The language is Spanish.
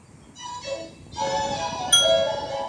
Todo quedaba subordinado a su función de combate.´´"